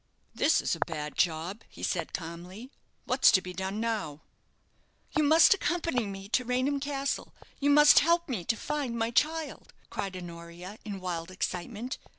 "This is a bad job," he said, calmly; "what's to be done now?" "You must accompany me to Raynham Castle you must help me to find my child!" cried Honoria, in wild excitement.